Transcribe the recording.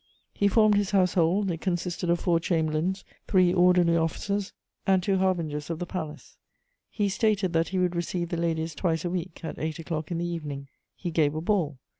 He formed his Household: it consisted of four chamberlains, three orderly officers, and two harbingers of the palace. He stated that he would receive the ladies twice a week, at eight o'clock in the evening. He gave a ball.